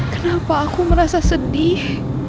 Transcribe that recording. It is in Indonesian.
kenapa aku merasa sedih